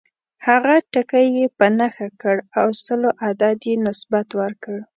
هغه ټکی یې په نښه کړ او سلو عدد یې نسبت ورکړ.